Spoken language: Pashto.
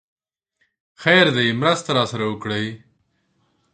خير دی! مرسته راسره وکړئ!